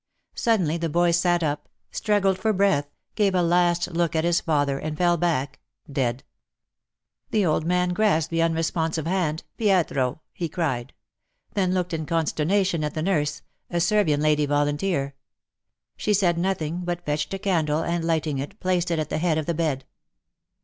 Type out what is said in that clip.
Suddenly the boy sat up, struggled for breath, gave a last look at his father, and fell back — dead. The old man grasped the unresponsive hand '' Pietro,'' he cried — then looked in consternation at the nurse — a Servian lady volunteer. She said nothing, but fetched a candle and, lighting it, placed it at the head of the bed.